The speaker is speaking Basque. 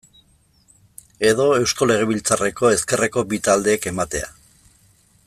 Edo Eusko Legebiltzarreko ezkerreko bi taldeek ematea.